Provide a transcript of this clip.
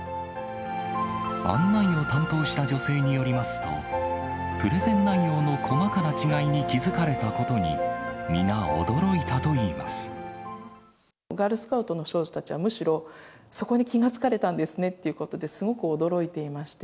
案内を担当した女性によりますと、プレゼン内容の細かな違いに気付かれたことに、皆、驚いたといいガールスカウトの少女たちは、むしろそこに気が付かれたんですねということで、すごく驚いていまして。